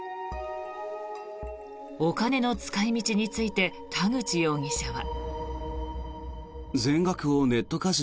お金の使い道について田口容疑者は。